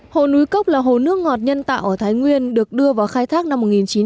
hồ núi cốc là hồ nước ngọt nhân tạo ở thái nguyên được đưa vào khai thác năm một nghìn chín trăm bảy mươi